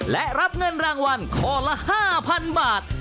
และรับเงินรางวัลข้อละ๕๐๐๐บาท